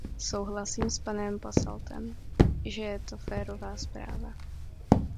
Souhlasím s panem Posseltem, že je to férová zpráva.